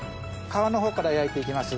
皮のほうから焼いて行きます。